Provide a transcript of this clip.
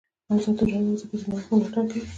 آزاد تجارت مهم دی ځکه چې نوښت ملاتړ کوي.